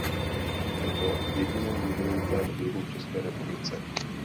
Jedná se o jediné muzeum svého druhu v České republice.